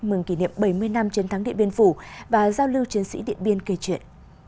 mừng kỷ niệm bảy mươi năm chiến thắng điện biên phủ và giao lưu chiến sĩ điện biên kể chuyện